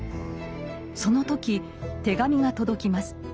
その時手紙が届きます。